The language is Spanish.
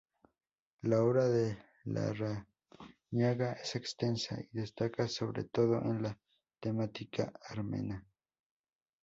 La obra de Larrañaga es extensa y destaca sobre todo en la temática armera.